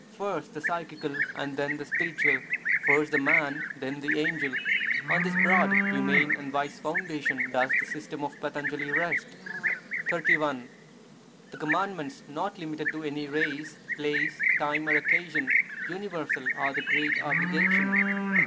First the psychical, and then the spiritual. First the man, then the angel. On this broad, humane and wise foundation does the system of Patanjali rest. 31. The Commandments, not limited to any race, place, time or occasion, universal, are the great obligation.